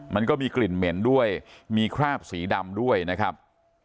มันก็มีกลิ่นเหม็นด้วยมีคราบสีดำด้วยนะครับ